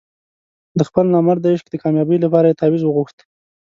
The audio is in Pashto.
د خپل نامراده عشق د کامیابۍ لپاره یې تاویز وغوښت.